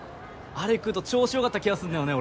あれ食うと調子よかった気がすんだよね